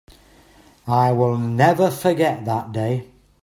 I will never forget that day.